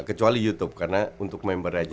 kecuali youtube karena untuk member aja